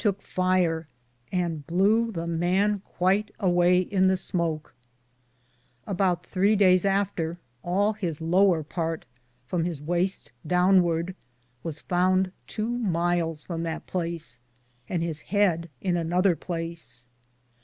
touke fire and blew that man quite awaye in the smoke ; aboute 3 dayes after all his lower parte,' from his waste downward, was founde tow myle from that place, and his heade in an other place.